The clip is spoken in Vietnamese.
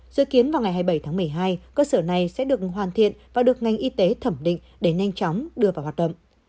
dự kiến vào ngày hai mươi bảy tháng một mươi hai cơ sở này sẽ được hoàn thiện và được ngành y tế thẩm định để nhanh chóng đưa vào hoạt động